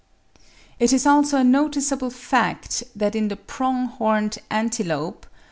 It is also a noticeable fact that in the prong horned antelope (40.